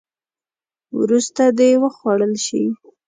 وروسته دې وخوړل شي.